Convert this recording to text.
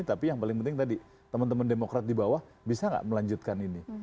tapi yang paling penting tadi teman teman demokrat di bawah bisa nggak melanjutkan ini